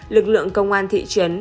lực lượng công an thị trấn